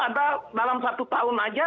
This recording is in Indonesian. dalam satu tahun saja